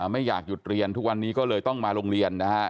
ไม่อยากหยุดเรียนทุกวันนี้ก็เลยต้องมาโรงเรียนนะฮะ